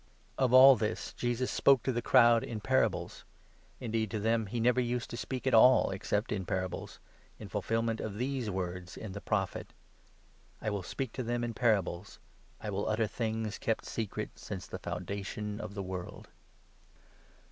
Of all this Jesus spoke to the crowd in parables ; indeed to 34 them he used never to speak at all except in parables, in fulfil 35 ment of these words in the Prophet —' I will speak to them in parables ; I will utter things kept secret since the foundation of the world.'